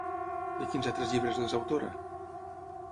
De quins altres llibres n'és autora?